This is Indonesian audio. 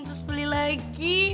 terus beli lagi